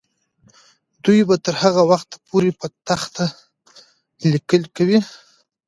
دوی به تر هغه وخته پورې په تخته لیکل کوي.